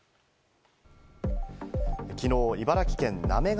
きのう、茨城県行方